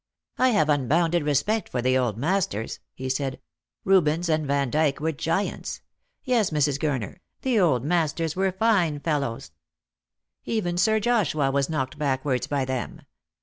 " I have unbounded respect for the old masters," he said ; "Rubens and Vandyke were giants. Yes, Mrs. Gurner, the old masters were fine fellows. Even Sir Joshua was knocked backwards by them.